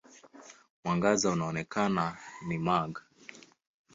Mwangaza unaoonekana ni mag.